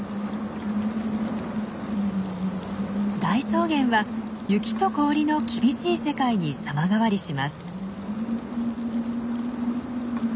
大草原は雪と氷の厳しい世界に様変わりします。